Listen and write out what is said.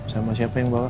sama siapa yang bawa